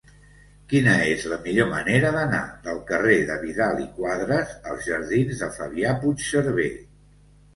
Quina és la millor manera d'anar del carrer de Vidal i Quadras als jardins de Fabià Puigserver?